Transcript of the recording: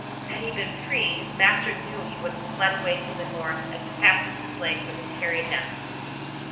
Had he been free, his master knew he would have fled away to the north as fast as his legs would have carried him.